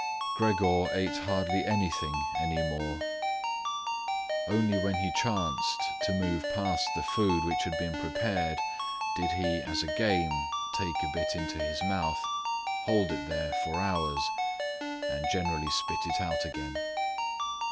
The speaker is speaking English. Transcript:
Gregor ate hardly anything any more. Only when he chanced to move past the food which had been prepared did he, as a game, take a bit into his mouth, hold it there for hours, and generally spit it out again.